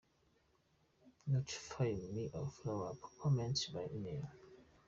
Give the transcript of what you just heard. Notify me of follow-up comments by email.